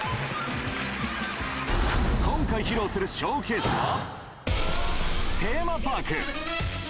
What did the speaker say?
今回披露するショーケースは、テーマパーク。